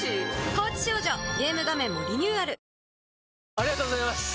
ありがとうございます！